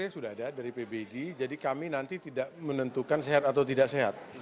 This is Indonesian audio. sudah ada dari pbg jadi kami nanti tidak menentukan sehat atau tidak sehat